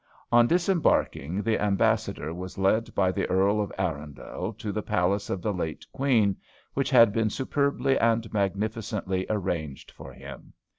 "On disembarking, the Ambassador was led by the Earl of Arundel to the palace of the late Queen, which had been superbly and magnificently arranged for him.